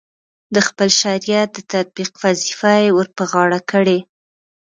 د خپل شریعت د تطبیق وظیفه یې ورپه غاړه کړې.